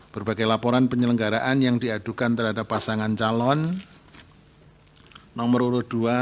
berbagai laporan penyelenggaraan yang diadukan terhadap pasangan calon nomor urut dua